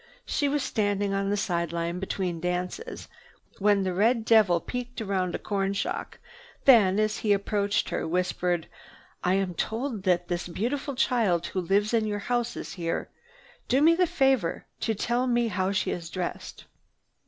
She was standing on the side line between dances when the red devil peeked round a corn shock, then as he approached her whispered, "I am told that this beautiful child who lives at your house is here. Do me the favor to tell me how she is dressed."